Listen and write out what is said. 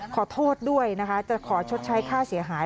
ขอโทษด้วยนะคะจะขอชดใช้ค่าเสียหาย